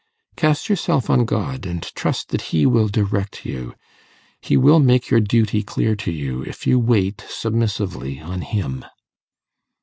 Cast yourself on God, and trust that He will direct you; he will make your duty clear to you, if you wait submissively on Him.